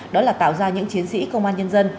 đó là tạo ra những chiến sĩ công an nhân dân